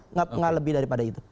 nggak lebih daripada itu